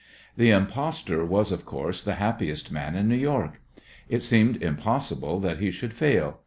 The impostor was, of course, the happiest man in New York. It seemed impossible that he should fail.